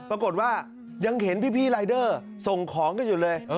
ปรากฏว่ายังเห็นพี่รายเดอร์ส่งของกันอยู่เลย